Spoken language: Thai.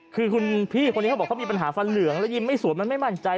คือคุณพี่คนนี้เขาบอกเขามีปัญหาฟันเหลืองแล้วยิ้มไม่สวยมันไม่มั่นใจ